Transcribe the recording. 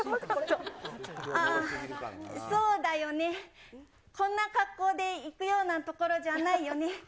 ああ、そうだよね、こんな格好で行くような所じゃないよね。